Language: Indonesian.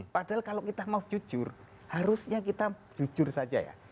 padahal kalau kita mau jujur harusnya kita jujur saja ya